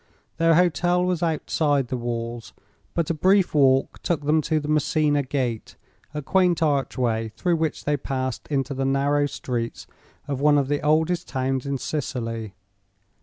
Their hotel was outside the walls, but a brief walk took them to the Messina Gate, a quaint archway through which they passed into the narrow streets of one of the oldest towns in Sicily.